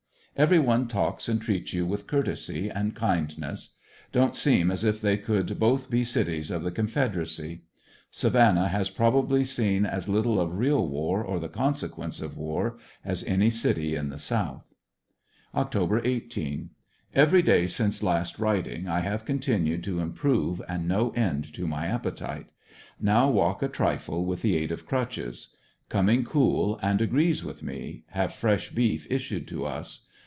Every one talks and treats you with courtesy and kind ness. Don't seem as if they could both be cities of the Confed eracy. Savannah has probably seen as little of real war or the consequence of war, as any city in the South. Oct. 18. — Every day since last writing I have continued to im prove, and no end to my appetite. Now walk a trifle with the aid of crutches Coming cool, and agrees with me. have fresh beef issued to us.